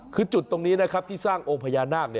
คือจุดตรงนี้นะครับที่สร้างองค์พญานาค